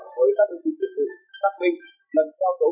khi đang vận chuyển trái bét hai mươi chín phá túy